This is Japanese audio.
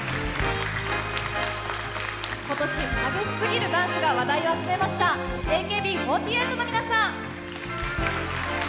今年激しすぎるダンスが話題を集めました、ＡＫＢ４８の皆さん。